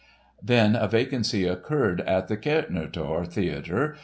Then a vacancy occurred at the Kärntnertor Theatre.